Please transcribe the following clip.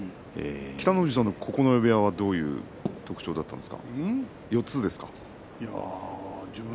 北の富士さんの九重部屋はどういう特徴でしたか？